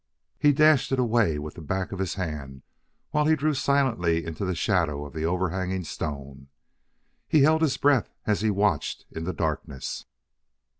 He dashed it away with the back of his hand while he drew silently into the shadow of the overhanging stone. He held his breath as he watched in the darkness.